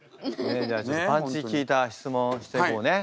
じゃあパンチ効いた質問をしていこうね